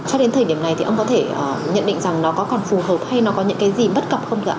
cho đến thời điểm này ông có thể nhận định rằng nó còn phù hợp hay nó có những cái gì bất cập không dạ